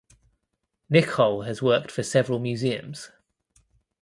Nichol has worked for several museums.